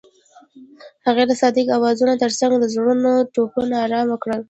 هغې د صادق اوازونو ترڅنګ د زړونو ټپونه آرام کړل.